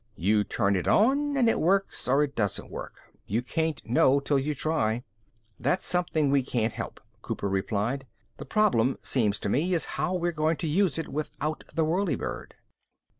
You turn it on and it works or it doesn't work. You can't know till you try." "That's something we can't help," Cooper replied. "The problem, seems to me, is how we're going to use it without the whirlybird."